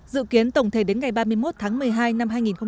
dự kiến tổng thể đến ngày ba mươi một tháng một mươi hai năm hai nghìn hai mươi